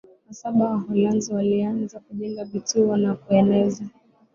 na Saba Waholanzi walianza kujenga vituo na kueneza